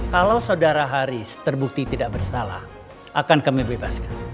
kalau saudara haris terbukti tidak bersalah akan kami bebaskan